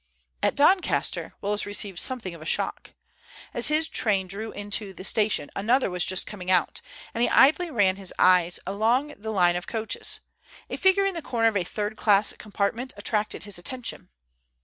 At Doncaster Willis received something of a shock. As his train drew into the station another was just coming out, and he idly ran his eye along the line of coaches. A figure in the corner of a third class compartment attracted his attention.